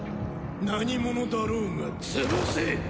何者だろうが潰せ！